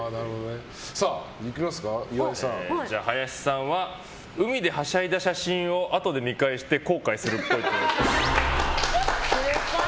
林さんは海ではしゃいだ写真をあとで見返して後悔するっぽい。